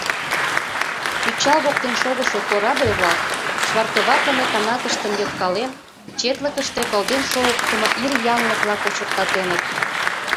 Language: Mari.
Причал воктен шогышо корабль-влак, швартоватлыме канатыштым йыгкален, четлыкыште кылден шогыктымо ир янлыкла кочыртатеныт.